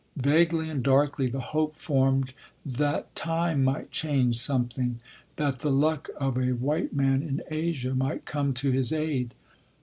Vaguely and darkly the hope formed that time might change something; that the luck of a white man in Asia might come to his aid.